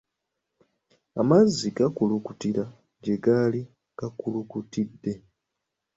Amazzi gakulukutira gye gaali gakulukutidde.